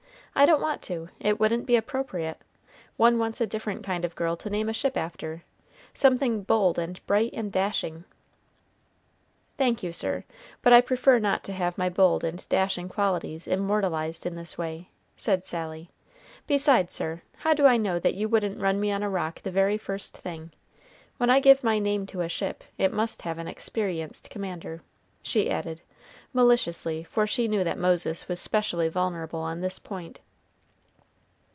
"I don't want to it wouldn't be appropriate one wants a different kind of girl to name a ship after something bold and bright and dashing!" "Thank you, sir, but I prefer not to have my bold and dashing qualities immortalized in this way," said Sally; "besides, sir, how do I know that you wouldn't run me on a rock the very first thing? When I give my name to a ship, it must have an experienced commander," she added, maliciously, for she knew that Moses was specially vulnerable on this point.